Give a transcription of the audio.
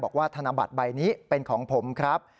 ธนบัตรใบนี้เป็นของผมครับ